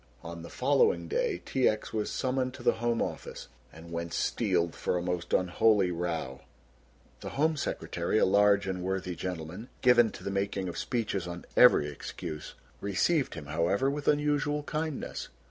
On the following day T. X. was summoned to the Home Office and went steeled for a most unholy row. The Home Secretary, a large and worthy gentleman, given to the making of speeches on every excuse, received him, however, with unusual kindness.